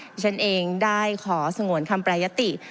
ดิฉันเองได้ขอสงวนคำประยะติ